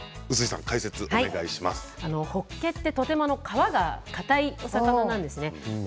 ホッケってとても皮がかたいお魚なんですね。